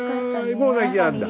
もう泣きやんだ。